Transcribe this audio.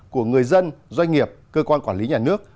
của người dân doanh nghiệp cơ quan quản lý nhà nước